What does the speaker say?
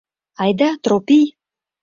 Айда, Тропий!